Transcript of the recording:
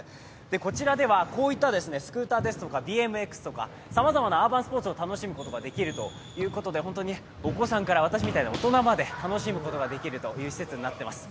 こちらではこういったスクーターですとか、ＢＭＸとかさまざまなアーバンスポーツを楽しむことができるということで本当にお子さんから私みたいな大人まで楽しむことができるという施設になっています